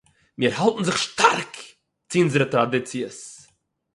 מיר האַלטן זיך שטאַרק צו אונזערע טראַדיציעס